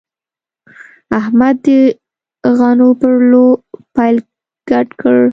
احمد د غنو پر لو پیل ګډ کړ.